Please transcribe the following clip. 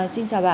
xin chào bà